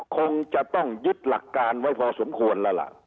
คงจะต้องยึดหลักการไว้พอสมควรแล้วล่ะ